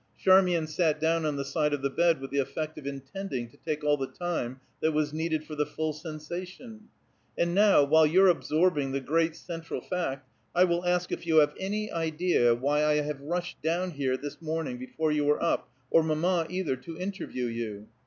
Charmian sat down on the side of the bed with the effect of intending to take all the time that was needed for the full sensation. "And now, while you're absorbing the great central fact, I will ask if you have any idea why I have rushed down here this morning before you were up, or mamma either, to interview you?"